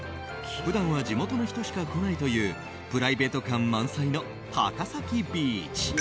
普段は地元の人しか来ないというプライベート感満載の高崎ビーチ。